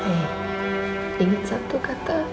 hey inget satu kata